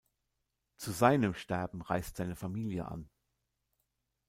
Zu seinem Sterben reist seine Familie an.